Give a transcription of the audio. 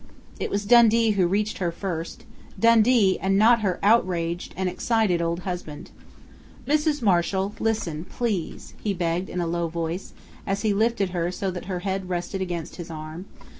It was Dundee who reached her first Dundee and not her outraged and excited old husband. "Mrs. Marshall listen, please," he begged in a low voice, as he lifted her so that her head rested against his arm.